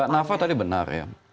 nafa tadi benar ya